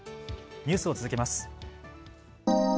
ニュースを続けます。